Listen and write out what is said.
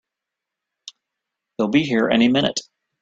They'll be here any minute!